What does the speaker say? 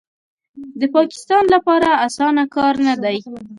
د پاکستان لپاره اسانه کار نه دی